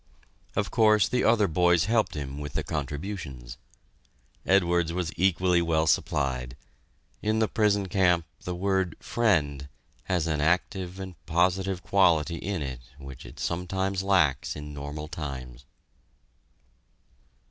Of course, the other boys helped him with the contributions. Edwards was equally well supplied. In the prison camp the word "friend" has an active and positive quality in it which it sometimes lacks in normal times.